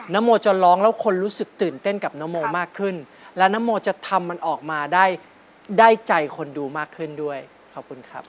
โมจะร้องแล้วคนรู้สึกตื่นเต้นกับนโมมากขึ้นและนโมจะทำมันออกมาได้ใจคนดูมากขึ้นด้วยขอบคุณครับ